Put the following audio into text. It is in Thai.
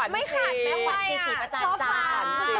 ไม่ขัดชอบฟ้า